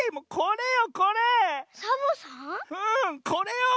うんこれよ。